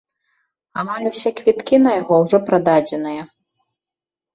Амаль усе квіткі на яго ўжо прададзеныя.